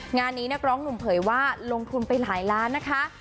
งานนี้นักร้องหนุ่มเผยว่าลงทุนไปหลายล้านนะคะ